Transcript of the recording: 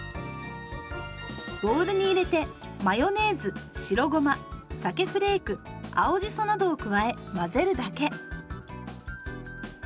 ボウルに入れてマヨネーズ白ごまさけフレーク青じそなどを加え混ぜるだけ。